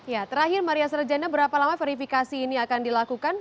ya terakhir maria sarjana berapa lama verifikasi ini akan dilakukan